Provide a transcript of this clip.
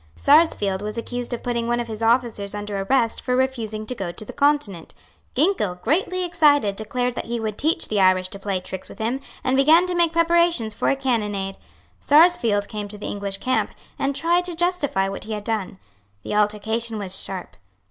Sarsfield was accused of putting one of his officers under arrest for refusing to go to the Continent. Ginkell, greatly excited, declared that he would teach the Irish to play tricks with him, and began to make preparations for a cannonade. Sarsfield came to the English camp, and tried to justify what he had done. The altercation was sharp.